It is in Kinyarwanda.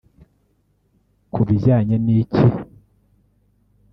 Ku bijyanye n’iki